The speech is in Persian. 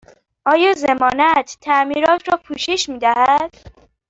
آیا ضمانت تعمیرات را پوشش می دهد؟